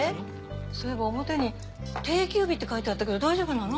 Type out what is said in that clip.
そういえば表に定休日って書いてあったけど大丈夫なの？